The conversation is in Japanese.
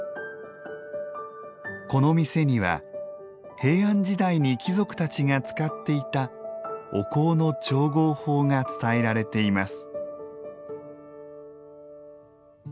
この店には、平安時代に貴族たちが使っていたお香の調合法が伝えられています。